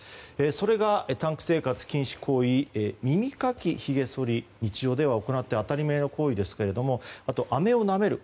それが、タンク生活禁止行為耳かき、ひげそり日常では行って当たり前の行為ですがあと、あめをなめる。